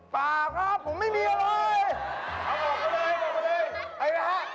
ปากครับผมไม่มีอะไร